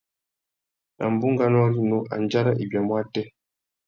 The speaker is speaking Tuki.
Nà bunganô rinú, andjara i biamú atê?